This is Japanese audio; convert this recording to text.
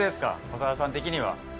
長田さん的には。